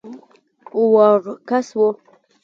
وړ کس وو.